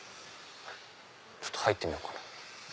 ちょっと入ってみようかな。